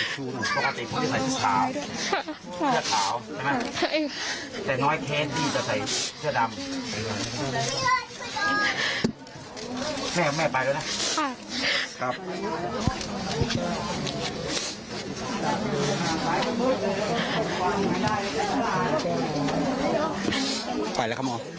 คุณพี่มีอะไรที่ขอโยชน์